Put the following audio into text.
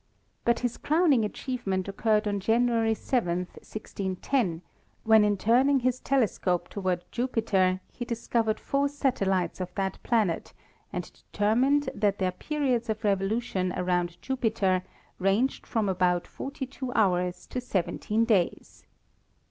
But his crowning achievement occurred on January 7, 1610, when in turning his telescope toward Jupiter he discovered four satellites of that planet and determined that their periods of revolution around* 16 ASTRONOMY Jupiter ranged from about forty two hours to sev enteen days.